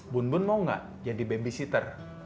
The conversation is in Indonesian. bun bun mau gak jadi babysitter